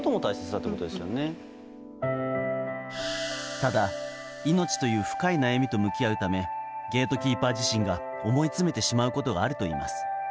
ただ、命という深い悩みと向き合うためゲートキーパー自身が思い詰めてしまうことがあるといいます。